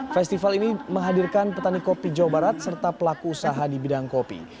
festival ini menghadirkan petani kopi jawa barat serta pelaku usaha di bidang kopi